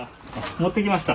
持ってきました。